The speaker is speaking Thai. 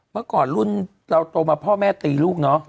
เมื่อก่อนรุ่นเราโตมาพ่อแม่ตีลูกเนอะ